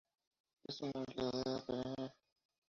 Es una enredadera perenne.